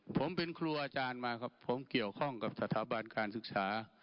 ผมเป็นครูอาจารย์มาครับผมเกี่ยวข้องกับสถาบันการศึกษา